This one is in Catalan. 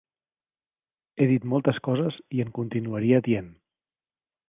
He dit moltes coses i en continuaria dient.